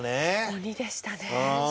鬼でしたね。